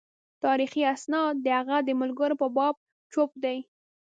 تاریخي اسناد د هغه د ملګرو په باب چوپ دي.